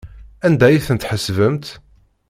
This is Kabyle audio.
Anda ay ten-tḥesbemt?